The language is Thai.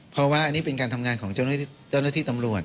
เพราะว่าอันนี้เป็นการทำงานของเจ้าหน้าที่ตำรวจ